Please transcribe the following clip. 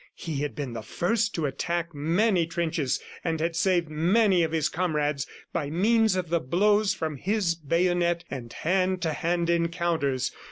He had been the first to attack many trenches and had saved many of his comrades by means of the blows from his bayonet and hand to hand encounters.